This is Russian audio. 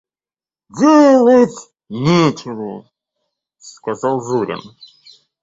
«Делать нечего! – сказал Зурин.